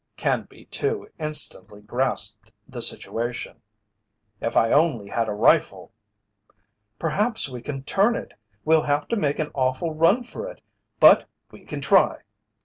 Canby, too, instantly grasped the situation. "If I only had a rifle!" "Perhaps we can turn it! We'll have to make an awful run for it but we can try!"